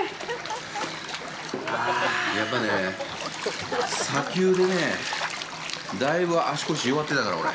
やっぱりね、砂丘でねぇ、大分、足腰、弱ってたから、俺。